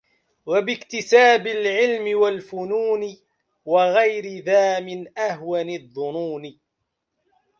وباكتساب العلم والفنون وغير ذا من أوهن الظنون